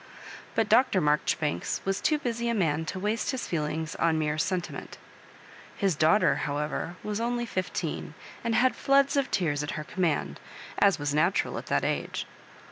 But Dr. Maijoribanks was too busy a man to waste his feelings on a mere sen timent His daughter, however, was only fif teen, and had floods of tears at her command, as was natural at that age.